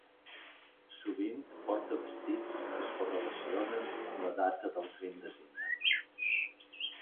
Sovint porta vestits que es correlacionen amb la data del crim designat.